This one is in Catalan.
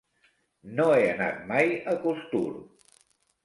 No he anat mai a Costur.